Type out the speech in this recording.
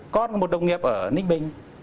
còn một đồng nghiệp ở ninh bình